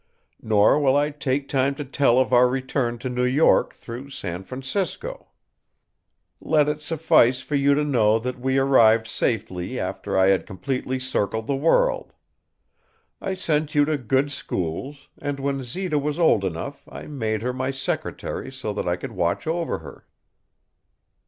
Nor will I take time to tell of our return to New York through San Francisco. "Let it suffice for you to know that we arrived safely after I had completely circled the world. I sent you to good schools, and when Zita was old enough I made her my secretary so that I could watch over her.